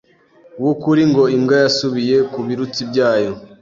w’ukuri ngo imbwa yasubiye kubirutsi byayo